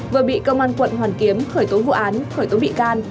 vừa bị công an quận hoàn kiếm khởi tố vụ án khởi tố bị can